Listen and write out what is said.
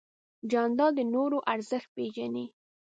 جانداد د نورو ارزښت پېژني.